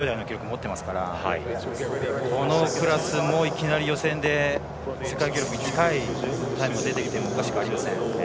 これも１０秒台の記録を持っていますからこのクラスもいきなり予選で世界記録に近いタイムが出てきてもおかしくありません。